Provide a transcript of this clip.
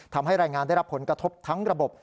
ทำให้รายงานได้รับผลกระทบทั้งระบบ